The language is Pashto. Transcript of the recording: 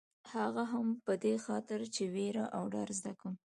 هغه هم خاص په دې خاطر چې وېره او ډار زده کړم.